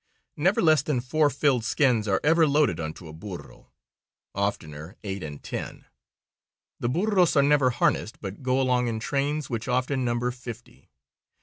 Never less than four filled skins are ever loaded onto a burro; oftener eight and ten. The burros are never harnessed, but go along in trains which often number fifty.